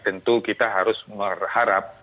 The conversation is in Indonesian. tentu kita harus mengharap